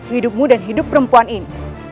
hidupmu dan hidup perempuan ini